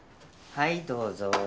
はいどうぞ。